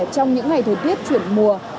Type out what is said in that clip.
trong những ngày thời tiết chuyển mùa